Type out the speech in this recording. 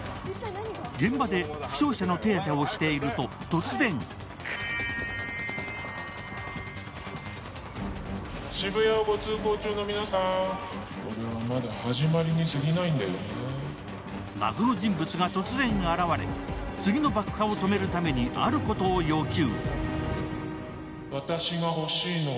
現場で負傷者の手当てをしていると、突然謎の人物が突然現れ、次の爆破を止めるためにあることを要求。